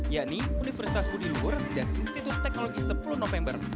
yakni universitas budilur dan institut teknologi sepuluh november